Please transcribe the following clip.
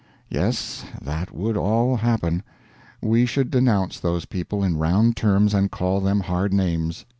Yes, that would all happen. We should denounce those people in round terms, and call them hard names.